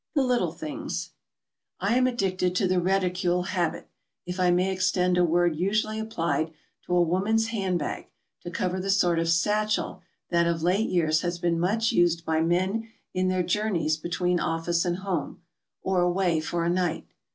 THE LITTLE THINGS. I am addicted to the reticule 'habit, if I may extend a word usually applied to a woman's hand bag to cover the sort of satchel that of late years has been much used by men in their journeys between office and home, or away for a night.